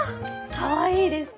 かわいいです。